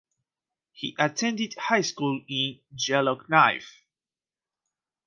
He attended high school in Yellowknife.